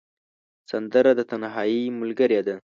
سندره د تنهايي ملګرې ده